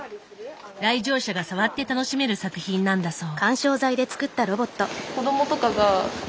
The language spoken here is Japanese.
来場者が触って楽しめる作品なんだそう。